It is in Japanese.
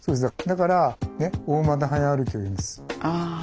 だから大股速歩きをいうんです。